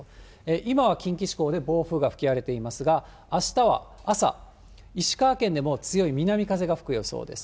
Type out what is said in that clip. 今は近畿地方で暴風が吹き荒れていますが、あしたは朝、石川県でも強い南風が吹く予想です。